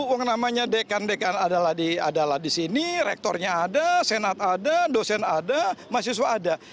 uang namanya dekan dekan adalah di sini rektornya ada senat ada dosen ada mahasiswa ada